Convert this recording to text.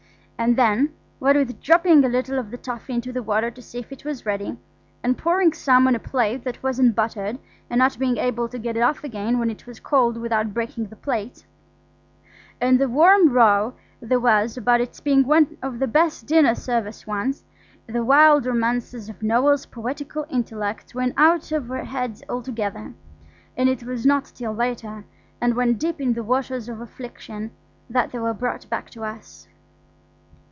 And then, what with dropping a little of the toffee into the water to see if it was ready, and pouring some on a plate that wasn't buttered and not being able to get it off again when it was cold without breaking the plate, and the warm row there was about its being one of the best dinner service ones, the wild romances of Noël's poetical intellect went out of our heads altogether; and it was not till later, and when deep in the waters of affliction, that they were brought back to us.